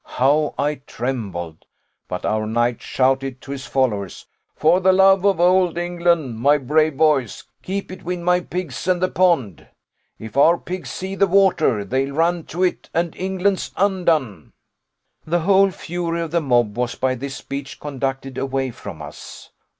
How I trembled! but our knight shouted to his followers 'For the love of Old England, my brave boys, keep between my pigs and the pond: if our pigs see the water, they'll run to it, and England's undone.' "The whole fury of the mob was by this speech conducted away from us.